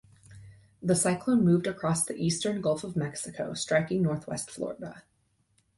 The cyclone moved across the eastern Gulf of Mexico, striking northwest Florida.